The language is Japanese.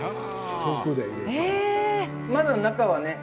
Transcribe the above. まだ中はね